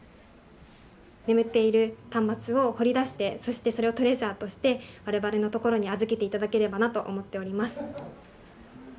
眠っている端末を掘り出してそしてそれをトレジャーとして、われわれのところに預けていただければなと思っております。